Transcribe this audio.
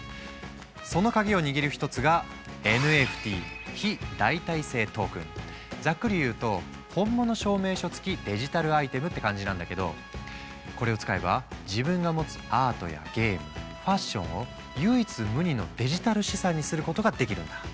その鍵を握る一つがざっくり言うと本物証明書付きデジタルアイテムって感じなんだけどこれを使えば自分が持つアートやゲームファッションを唯一無二のデジタル資産にすることができるんだ。